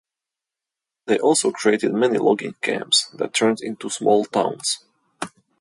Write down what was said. They also created many logging camps that turned into small towns.